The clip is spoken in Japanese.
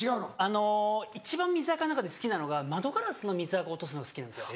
あの一番水あかの中で好きなのが窓ガラスの水あか落とすの好きなんですよ。